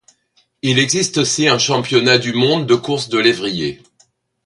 Il existe aussi un championnat du monde de course de lévriers.